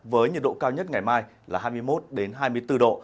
với nhiệt độ cao nhất ngày mai là hai mươi một hai mươi bốn độ